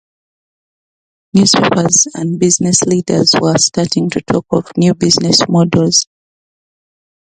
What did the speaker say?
Newspapers and business leaders were starting to talk of new business models.